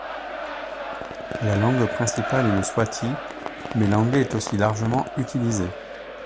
La langue principale est le swati, mais l'anglais est aussi largement utilisé.